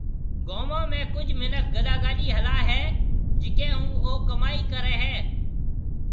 گومون ۾ ڪجھ مِنک گڏا گاڏِي ھلائيَ ھيََََ جڪيَ ھون او ڪمائِي ڪريَ ھيََََ